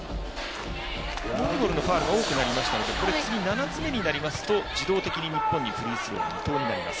モンゴルのファウルが多くなりましたので７つ目になりますと自動的に日本のフリースローが２投になります。